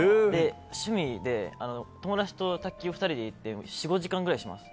趣味で友達と卓球２人で行って４５時間します。